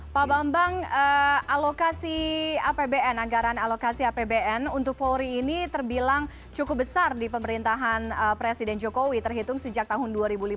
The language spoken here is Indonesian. pak bambang alokasi apbn anggaran alokasi apbn untuk polri ini terbilang cukup besar di pemerintahan presiden jokowi terhitung sejak tahun dua ribu lima belas